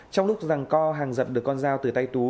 trong lúc rằng co hằng dập được con dao từ tay tú